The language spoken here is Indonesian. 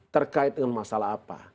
terkait dengan masalah apa